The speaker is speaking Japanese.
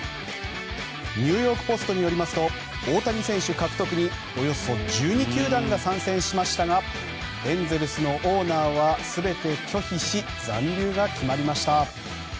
ニューヨーク・ポストによりますと大谷選手獲得におよそ１２球団が参戦しましたがエンゼルスのオーナーは全て拒否し残留が決まりました。